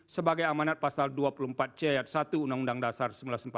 sebagai amanat pasal dua puluh empat c ayat satu undang undang dasar seribu sembilan ratus empat puluh lima